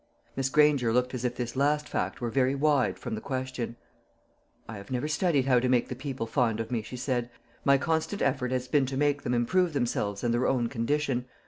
Miss Granger looked as if this last fact were very wide from the question. "I have never studied how to make the people fond of me," she said. "My constant effort has been to make them improve themselves and their own condition.